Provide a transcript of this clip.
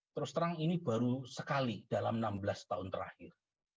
terus terang ini baru sekali dalam enam belas tahun terakhir